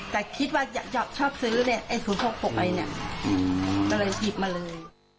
แต่คิดว่าอยากชอบซื้อศุษย์โฟร์ไอ้นี่ก็เลยหยิบมาเลย